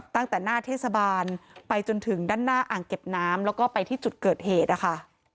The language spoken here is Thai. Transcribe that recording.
ตั้งแต่หน้าเทศบาลไปจนถึงด้านหน้าอ่างเก็บน้ำแล้วก็ไปที่จุดเกิดเหตุนะคะ